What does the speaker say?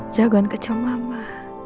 jagoan kecil mama